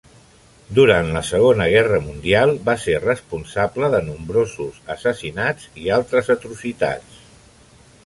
Durant la Segona Guerra Mundial va ser responsable de nombrosos assassinats i altres atrocitats.